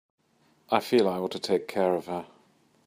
I feel I ought to take care of her.